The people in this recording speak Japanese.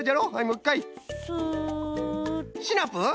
シナプー。